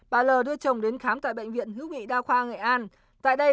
bà l đưa chồng đến khám tại bệnh viện hữu nghị đa khoa nghệ an tại đây